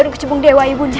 kecubung dewa ibunya